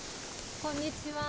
こんにちは。